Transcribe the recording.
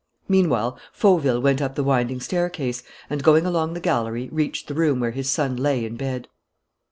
Meanwhile, Fauville went up the winding staircase, and, going along the gallery, reached the room where his son lay in bed.